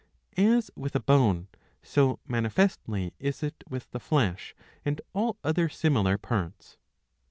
As with a bone, so manifestly is it with the flesh and all other similar parts.